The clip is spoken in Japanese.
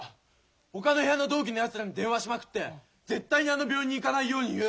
ほかの部屋の同期のやつらに電話しまくって絶対にあの病院に行かないように言う。